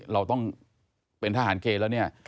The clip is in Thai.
เราต้องเป็นทหารเกณฑ์แล้วเนี่ย